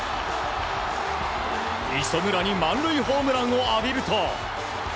磯村に満塁ホームランを浴びると。